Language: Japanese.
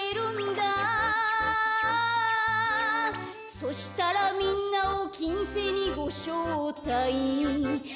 「そしたらみんなをきんせいにごしょうたいんいんん」